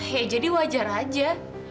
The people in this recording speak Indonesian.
ya jadi wajar aja